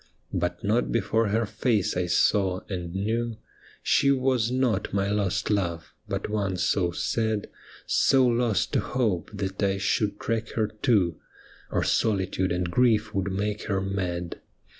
But not before her face I saw, and knew She was not my lost love, but one so sad, So lost to hope, that I should track her too, Or solitude and grief would make her mad.